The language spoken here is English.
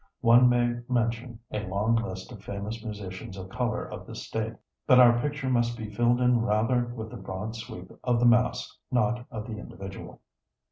One may mention a long list of famous musicians of color of the State, but our picture must be filled in rather with the broad sweep of the mass, not of the individual.